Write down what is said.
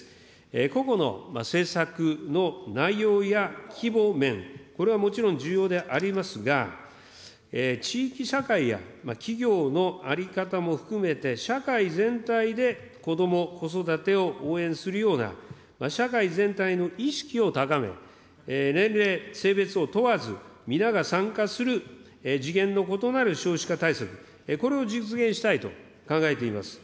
個々の政策の内容や規模面、これはもちろん、重要でありますが、地域社会や企業の在り方も含めて、社会全体でこども・子育てを応援するような、社会全体の意識を高め、年齢、性別を問わず、皆が参加する次元の異なる少子化対策、これを実現したいと考えています。